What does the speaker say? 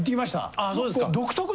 あそうですか。